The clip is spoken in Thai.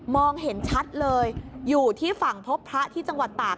เห็นชัดเลยอยู่ที่ฝั่งพบพระที่จังหวัดตาก